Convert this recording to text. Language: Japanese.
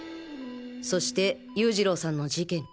そして優次郎さんの事件。